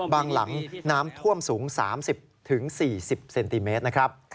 บางหลังน้ำท่วมสูง๓๐๔๐เซนติเมตร